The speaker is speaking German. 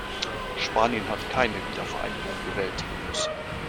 Spanien hat keine Wiedervereinigung bewältigen müssen.